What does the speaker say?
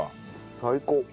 最高！